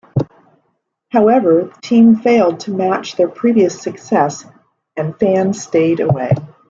However, the team failed to match their previous success and fans stayed away.